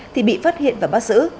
thì bị phát hiện và bắt giữ